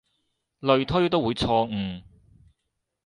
類推都會錯誤